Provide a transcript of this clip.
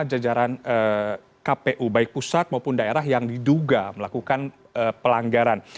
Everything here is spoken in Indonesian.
jajaran kpu baik pusat maupun daerah yang diduga melakukan pelanggaran